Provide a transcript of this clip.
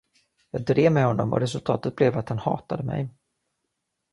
Jag drev med honom och resultatet blev att han hatade mig.